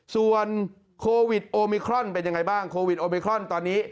ส่วนโควิดโอมิครอนเป็นยังไงบ้างโควิดโอมิครอนตอนนี้